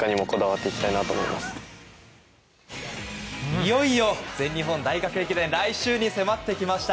いよいよ全日本大学駅伝来週に迫ってきました。